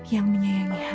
yang menyayangi hamba